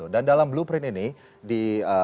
dan dalam blueprint ini di